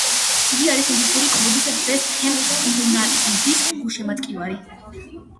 იგი არის ინგლისური კლუბის „ვესტ ჰემ იუნაიტედის“ გულშემატკივარი.